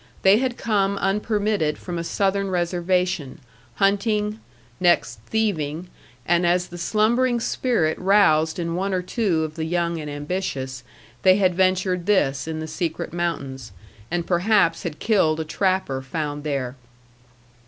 They had come unpermitted from a southern reservation, hunting, next thieving, and as the slumbering spirit roused in one or two of the young and ambitious, they had ventured this in the secret mountains, and perhaps had killed a trapper found there.